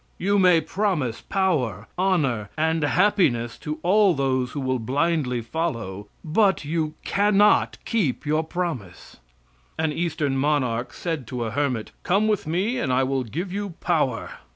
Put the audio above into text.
You may promise power, honor, and happiness to all those who will blindly follow, but you cannot keep your promise. An eastern monarch said to a hermit, "Come with me and I will give you power."